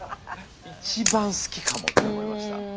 一番好きかもって思いました。